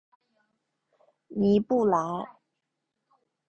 尼布莱。